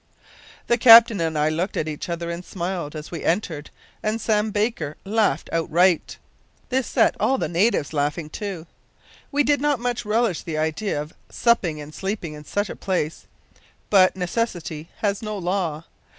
"The captain and I looked at each other and smiled as we entered, and Sam Baker laughed outright. This set all the natives laughing, too. We did not much relish the idea of supping and sleeping in such a place but necessity has no law.